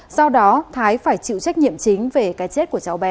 do đó thái phải chịu trách nhiệm chính về cái chết của cháu bé